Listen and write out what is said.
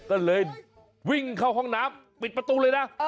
ก็เลยวิ่งเข้าห้องน้ำปิดประตูเลยนะ